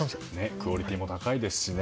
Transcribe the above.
クオリティーも高いですしね。